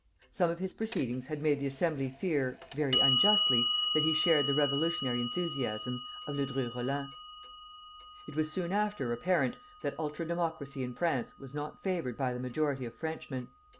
Some of his proceedings had made the Assembly fear (very unjustly) that he shared the revolutionary enthusiasms of Ledru Rollin. It was soon apparent that ultra democracy in France was not favored by the majority of Frenchmen.